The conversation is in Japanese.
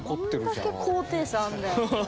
うわどんだけ高低差あんだよ。